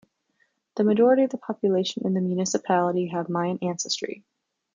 The majority of the population in the municipality have Mayan ancestry.